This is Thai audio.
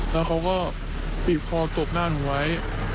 แล้วเขาก็บีบคอตบหน้าหนูไว้